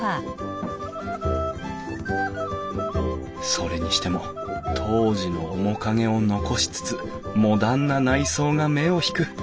それにしても当時の面影を残しつつモダンな内装が目を引く。